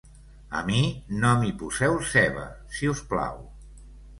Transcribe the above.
A mi no m'hi poseu ceba, si us plau.